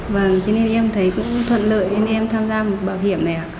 vâng cho nên em thấy cũng thuận lợi nên em tham gia một bảo hiểm này ạ